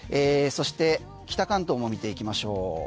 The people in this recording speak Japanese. そして北関東も見ていきましょう。